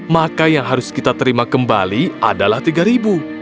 maka yang harus kita terima kembali adalah rp tiga